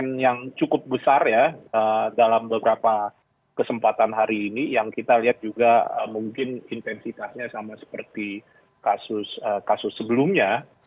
yang cukup besar ya dalam beberapa kesempatan hari ini yang kita lihat juga mungkin intensitasnya sama seperti kasus kasus sebelumnya